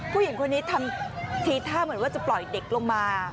ผู้หญิงคนนี้ทำทีท่าเหมือนว่าจะปล่อยเด็กลงมา